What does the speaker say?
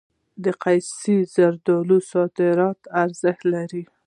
د قیسی زردالو صادراتي ارزښت لري.